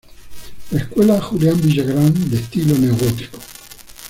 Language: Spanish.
La Escuela Julián Villagrán; de estilo neogótico.